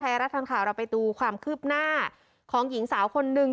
รัฐทางข่าวเราไปดูความคืบหน้าของหญิงสาวคนนึง